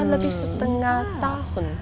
lebih setengah tahun